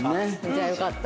じゃあよかった。